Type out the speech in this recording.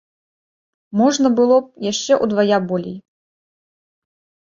Можна было б яшчэ ўдвая болей.